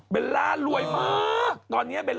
เบโร่ล่าหลวยมาก